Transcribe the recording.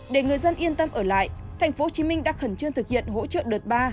để người dân yên tâm ở lại tp hcm đã khẩn trương thực hiện hỗ trợ đợt ba